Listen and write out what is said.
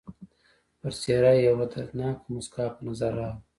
پر څېره یې یوه دردناکه مسکا په نظر راغله.